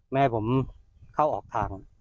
ไม่ให้ผมเข้าออกทาง